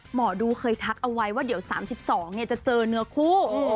หมอดูเคยทักเอาไว้ว่าเดี๋ยว๓๒จะเจอเนื้อคู่